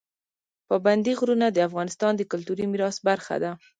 پابندی غرونه د افغانستان د کلتوري میراث برخه ده.